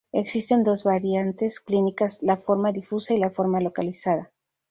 Existen dos variantes clínicas: la forma difusa y la forma localizada.